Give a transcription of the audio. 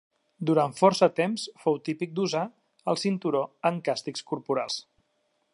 Durant força temps fou típic d'usar el cinturó en càstigs corporals.